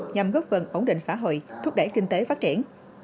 nhằm góp phần ổn định xã hội thúc đẩy kinh tế phát triển